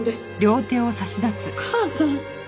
お母さん。